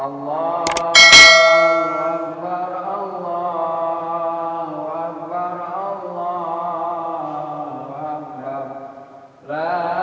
allah is allah allah is allah